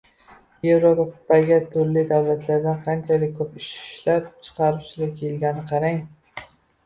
Yevropaga turli davlatlardan qanchalik ko‘p ishlab chiqaruvchilar kelganiga qarang.